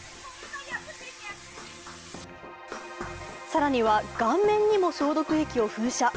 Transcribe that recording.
更には、顔面にも消毒液を噴射。